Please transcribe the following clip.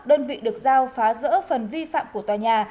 đơn vị được giao phá rỡ phần vi phạm của tòa nhà